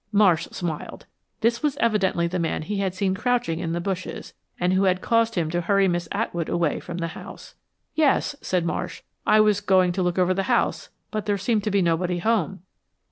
Marsh smiled. This was evidently the man he had seen crouching in the bushes, and who had caused him to hurry Miss Atwood away from the house. "Yes," said Marsh, "I was going to look over the house, but there seemed to be nobody home."